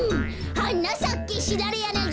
「はなさけシダレヤナギ」